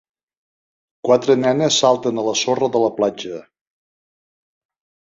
Quatre nenes salten a la sorra de la platja.